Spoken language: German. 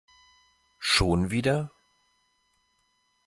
Schon wieder?